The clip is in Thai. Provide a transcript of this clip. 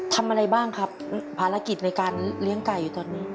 ทำอะไรบ้างครับภารกิจในการเลี้ยงไก่อยู่ตอนนี้